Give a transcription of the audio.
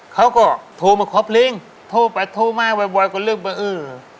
เขาก็โทรมาขอเพลงโทรไปโทรมาบ่อยก็เริ่มว่าเออ